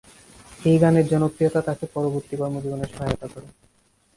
এই গানের জনপ্রিয়তা তাকে পরবর্তী কর্মজীবনে সহায়তা করে।।